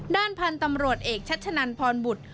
ด้านพันธุ์ตำรวจเอกชัชนันพรบุตร